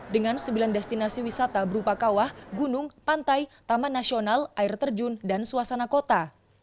dengan sembilan destinasi wisata berupa kawah gunung pantai taman nasional air terjun dan suasana kota